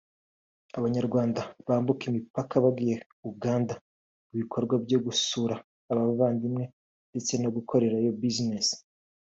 abanyarwanda bambuka imipaka bagiye Uganda mu bikorwa byo gusura abavandimwe ndetse no gukorerayo business